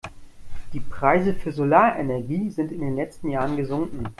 Die Preise für Solarenergie sind in den letzten Jahren gesunken.